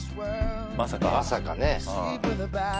まさかね